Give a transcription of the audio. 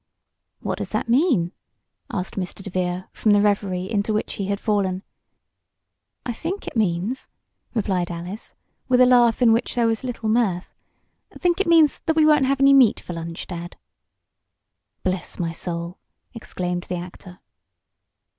"What does that mean?" asked Mr. DeVere, from the reverie into which he had fallen. "I think it means," replied Alice, with a laugh in which there was little mirth, "think it means that we won't have any meat for lunch, Dad." "Bless my soul!" exclaimed the actor.